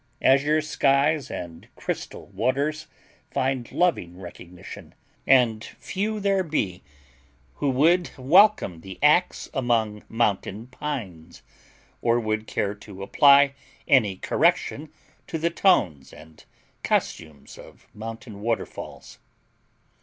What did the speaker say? Azure skies and crystal waters find loving recognition, and few there be who would welcome the axe among mountain pines, or would care to apply any correction to the tones and costumes of mountain waterfalls.